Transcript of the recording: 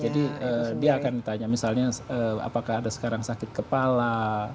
jadi dia akan ditanya misalnya apakah ada sekarang sakit kepala